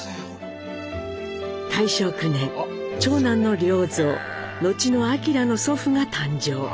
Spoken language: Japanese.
大正９年長男の良三のちの明の祖父が誕生。